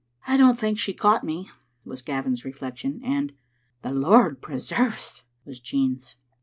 "I don't think she caught me," was Gavin's reflec tion, and " The Lord preserve 's!" was Jean's.